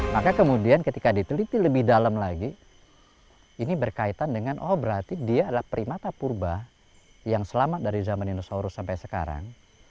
maka kemudian ketika diteliti lebih dalam lagi ini berkaitan dengan oh berarti dia adalah primata purba yang selamat dari zaman dinosaurus sampai sekarang